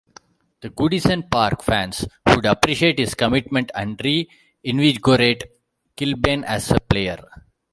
The Goodison Park fans would appreciate his commitment and re-invigorate Kilbane as a player.